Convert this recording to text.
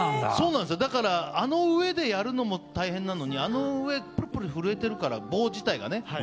だからあの上でやるのも大変なのにプルプル震えてるから棒自体がね。